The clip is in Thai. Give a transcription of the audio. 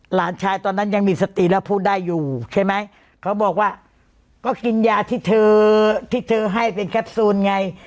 หลานชายตอนนั้นยังมีสติแล้วพูดได้อยู่ใช่ไหมเขาบอกว่าก็กินยาที่เธอที่เธอให้เป็นแคปซูลไง